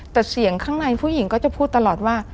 แต่เสียงข้างในผู้หญิงก็จะพูดตลอดว่า